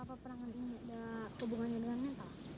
apa peperangan ini tidak hubungannya dengan mental